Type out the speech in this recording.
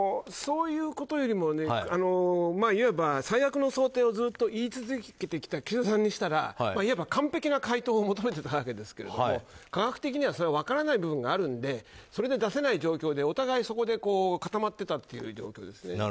そういうことよりも最悪の想定をずっと言い続けてきた岸田さんにしたらいわば完璧な回答を求めていたわけですけど科学的にはそれは分からない部分があるのでそれで出せない状況でお互い、そこで固まってたという状況ですね。